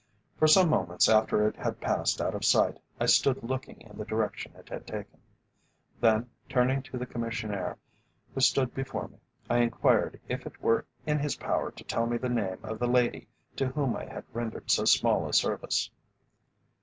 For some moments after it had passed out of sight I stood looking in the direction it had taken. Then turning to the Commissionaire who stood before me, I enquired if it were in his power to tell me the name of the lady to whom I had rendered so small a service.